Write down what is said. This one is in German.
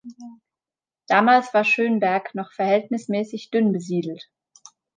Damals war Schönberg noch verhältnismäßig dünn besiedelt.